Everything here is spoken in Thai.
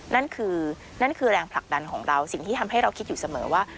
นั่นคือนั่นคือแรงผลักดันของเราสิ่งที่ทำให้เราคิดอยู่เสมอว่า